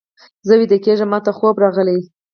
زه ویده کېږم، ماته خوب راغلی.